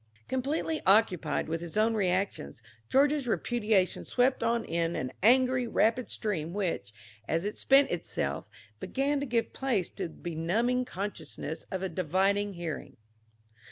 Completely occupied with his own reactions, George's repudiation swept on in an angry, rapid stream which, as it spent itself, began to give place to the benumbing consciousness of a divided hearing.